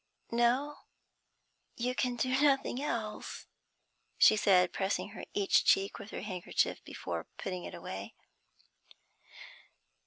'No, you can do nothing else,' she said, pressing each cheek with her handkerchief before putting it away.